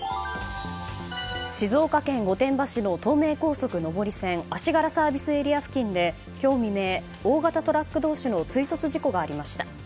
静岡県御殿場市の東名高速上り線足柄ＳＡ付近で今日未明大型トラック同士の追突事故がありました。